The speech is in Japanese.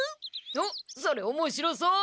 おっそれおもしろそう！